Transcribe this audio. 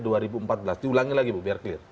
diulangi lagi bu biar clear